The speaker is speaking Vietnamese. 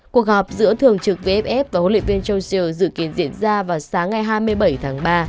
cuộc họp giữa thường trực vff và huấn luyện viên châu siêu dự kiến diễn ra vào sáng ngày hai mươi bảy tháng ba